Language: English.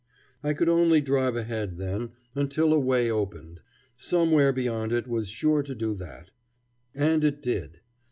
I could only drive ahead, then, until a way opened. Somewhere beyond it was sure to do that. And it did.